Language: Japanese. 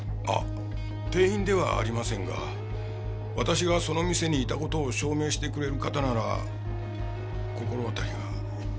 あっ店員ではありませんが私がその店にいた事を証明してくれる方なら心当たりが。